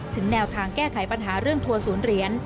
แนวทางแก้ไขปัญหาเรื่องทัวร์ศูนย์เหรียญ